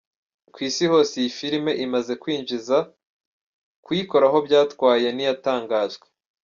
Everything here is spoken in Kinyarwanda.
Ku isi hose iyi filime imaze kwinjiza $,,,, kuyikora ayo byatwaye ntiyatangajwe.